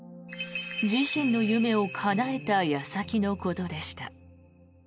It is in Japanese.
自身の夢をかなえた矢先のことでした。